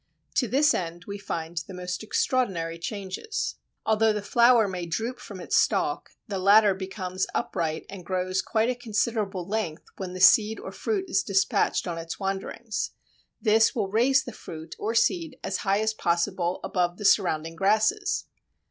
To this end we find the most extraordinary changes. Although the flower may droop from its stalk, the latter becomes upright and grows quite a considerable length when the seed or fruit is dispatched on its wanderings. This will raise the fruit or seed as high as possible above the surrounding grasses.